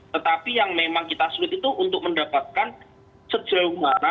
tetapi yang memang kita sulit itu untuk mendapatkan sejauh mana